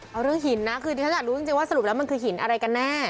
เอาเรื่องหินนะคือที่ฉันอยากรู้จริงว่าสรุปแล้วมันคือหินอะไรกันแน่